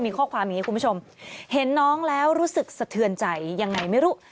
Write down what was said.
มีข้อความอย่างนี้คุณผู้ชมเห็นน้องแล้วรู้สึกสะเทือนใจยังไงไม่รู้